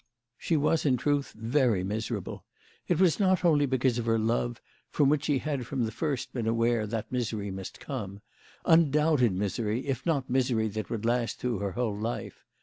She was in truth very miserable. It was not only because of her love, from which she had from the first THE LADY OF LATIN AY. 153 been aware that misery must come, undoubted misery, if not misery that would last through her whole life.